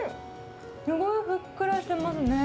すごいふっくらしてますね。